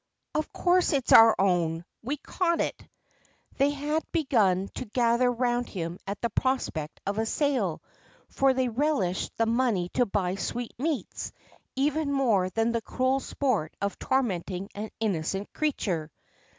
' Of course it 's our own. We caught it.' They had begun to gather round him at the prospect of a sale, for they relished the money to buy sweetmeats even more than the cruel sport of tormenting an innocent creature.